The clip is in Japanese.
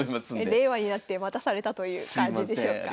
令和になってまたされたという感じでしょうか。